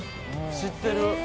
知ってる。